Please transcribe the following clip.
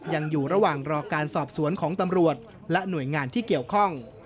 ยังอยู่ระหว่างรอการสอบสวนของตำรวจและหน่วยงานที่เกี่ยวข้อง